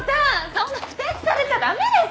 そんなふてくされちゃ駄目です！